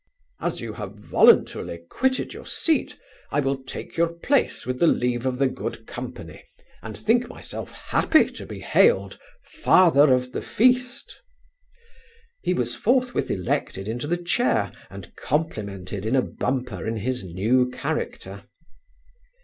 As you have voluntarily quitted your seat, I will take your place with the leave of the good company, and think myself happy to be hailed, Father of the Feast.' He was forthwith elected into the chair, and complimented in a bumper in his new character.